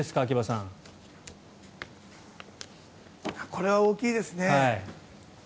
これは大きいですね。